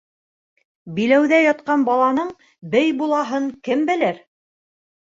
Биләүҙә ятҡан баланың бей булаһын кем белер?